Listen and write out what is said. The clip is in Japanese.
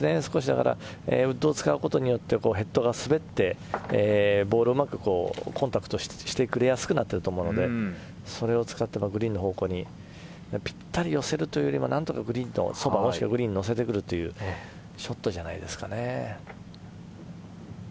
だからウッドを使うことによってヘッドが滑ってボールをうまくコンタクトしてくれやすくなっていると思うのでそれを使ってグリーンの方向にぴったり寄せるというよりは何とかグリーンのそばもしくはグリーンに乗せてくるというショットじゃないですかね。